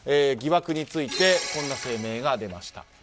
疑惑についてこんな声明が出ました。